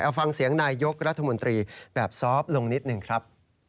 เอาฟังเสียงนายยกรัฐมนตรีแบบซอฟต์ลงนิดหนึ่งครับ